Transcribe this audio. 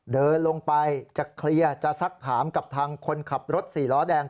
เดินลงไปจะเคลียร์จะซักถามกับทางคนขับรถสี่ล้อแดง